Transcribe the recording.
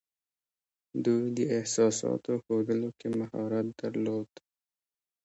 دوی د احساساتو ښودلو کې مهارت درلود